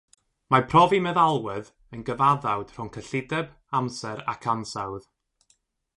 Mae profi meddalwedd yn gyfaddawd rhwng cyllideb, amser ac ansawdd.